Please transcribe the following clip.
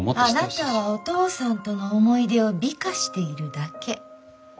あなたはお父さんとの思い出を美化しているだけ。